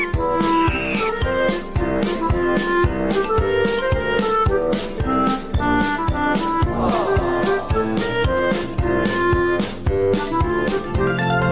โปรดติดตามตอนต่อไป